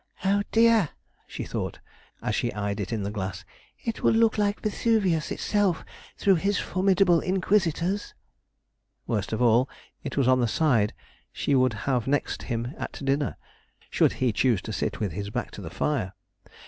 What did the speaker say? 'Oh, dear!' she thought, as she eyed it in the glass, 'it will look like Vesuvius itself through his formidable inquisitors.' Worst of all, it was on the side she would have next him at dinner, should he choose to sit with his back to the fire.